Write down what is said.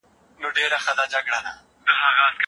خواړه باید په برابره توګه تاوده شي.